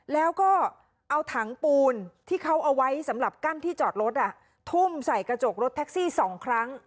แล้วก็เอาถังปูนที่เขาเอาไว้สำหรับกั้นที่จอดรถทุ่มใส่กระจกรถแท็กซี่๒ครั้ง